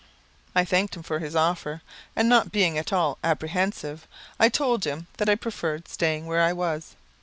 I thanked him for his offer, and not being at all apprehensive, I told him that I preferred staying where I was.